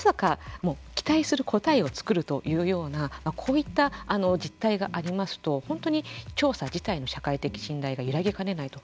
期待する答えを作るというようなこういった実態がありますと本当に調査自体の社会的信頼が揺らぎかねないと。